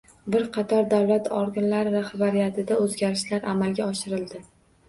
Bir qator davlat organlari rahbariyatida o‘zgarishlar amalga oshirildi